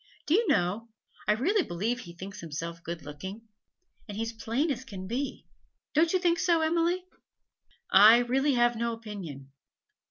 Do you know, I really believe he thinks himself good looking? And he's as plain as he can be. Don't you think so, Emily?' 'I really have no opinion.'